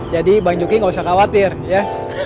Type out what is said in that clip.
jadi bang joki nggak usah khawatir ya